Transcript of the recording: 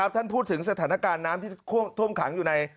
ท่านพูดถึงสถานการณ์น้ำที่ท่วมขังอยู่ใน